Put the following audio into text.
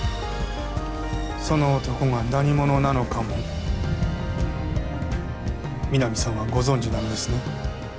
その男が何者なのかも皆実さんはご存じなのですね？